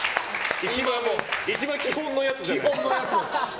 一番基本のやつじゃないですか。